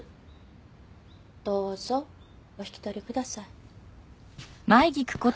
どうぞお引き取りください。